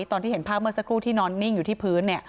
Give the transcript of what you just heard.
ตอนที่เห็นภาพเมื่อสักครู่ที่นอนนิ่งอยู่ที่พื้น